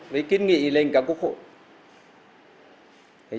với kiến nghị lên cả quốc hội